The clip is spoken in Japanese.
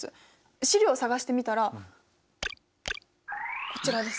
資料を探してみたらこちらです。